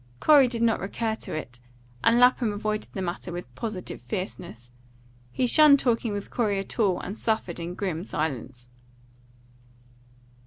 Corey did not recur to it, and Lapham avoided the matter with positive fierceness. He shunned talking with Corey at all, and suffered in grim silence.